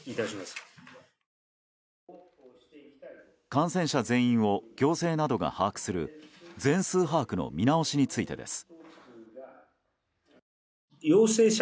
感染者全員を行政などが把握する全数把握の見直しについてです。